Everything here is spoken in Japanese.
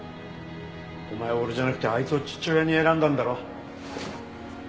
お前は俺じゃなくてあいつを父親に選んだんだろ。